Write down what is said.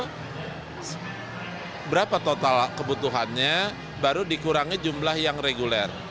jadi kita tahu berapa total kebutuhannya baru dikurangi jumlah yang reguler